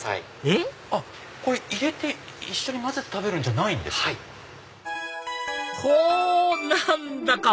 えっ？入れて一緒に混ぜて食べるんじゃないんですか。